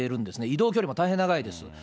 移動距離も大変長いです。